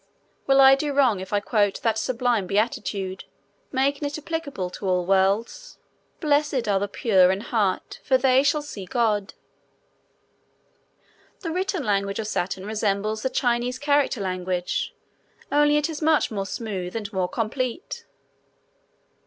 Will I do wrong if I quote that sublime beatitude, making it applicable to all worlds? "Blessed are the pure in heart, for they shall see God." The written language of Saturn resembles the Chinese character language, only it is much more smooth and more complete.